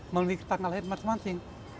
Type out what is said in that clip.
melalui tanggal lahir masing masing